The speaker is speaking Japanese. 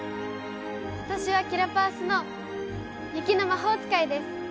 私はキラパワスノー雪の魔法使いです。